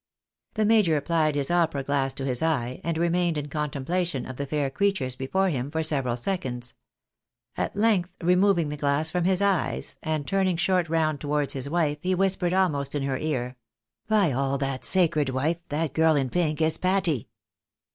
The major applied his opera glass to his eye, and remained in contemplation of the fair creatures before him for several seconds. At length removing the glass from his eyes, and turning short round towards his wife, he whispered almost in her ear —" By all that's sacred, wife, that girl in pink is Patty